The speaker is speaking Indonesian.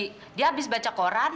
terus langsung ke rumah mbak kamila non